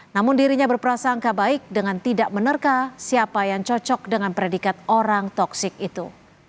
namun dirinya berprasangka baik dengan tidak menerka siapa yang cocok dengan predikat orang toksik itu